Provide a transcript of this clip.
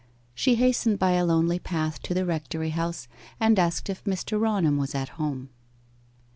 She hastened by a lonely path to the rectory house, and asked if Mr. Raunham was at home.